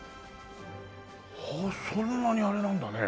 そんなにあれなんだね。